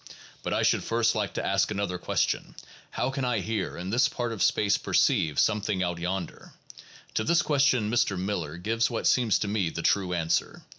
But I should first like to ask another question: "How can I here in this part of space perceive something out yonder? " To this question Mr. Miller gives what seems to me the true answer.